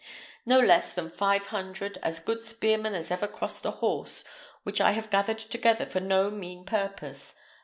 no less than five hundred as good spearmen as ever crossed a horse, which I have gathered together for no mean purpose.